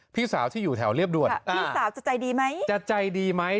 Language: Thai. พี่สาวที่อยู่แถวเรียบด่วนพี่สาวจะใจดีไหมจะใจดีไหม